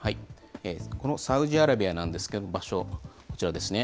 このサウジアラビアなんですけれども、場所、こちらですね。